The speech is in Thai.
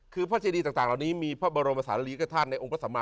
คือพระเจดีต่างเหล่านี้มีพระบรมศาลีกธาตุในองค์พระสัมมา